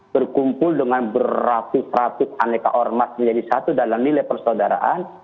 berkumpul dengan beratus ratus aneka ormas menjadi satu dalam nilai persaudaraan